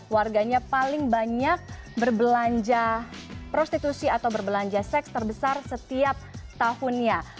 warganya paling banyak berbelanja prostitusi atau berbelanja seks terbesar setiap tahunnya